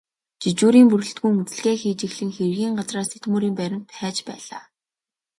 Жижүүрийн бүрэлдэхүүн үзлэгээ хийж эхлэн хэргийн газраас эд мөрийн баримт хайж байлаа.